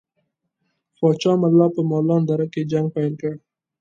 پاچا ملا په مالان دره کې جنګ پیل کړي.